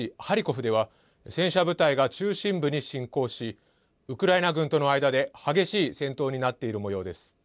ハリコフでは戦車部隊が中心部に侵攻しウクライナ軍との間で激しい戦闘になっているもようです。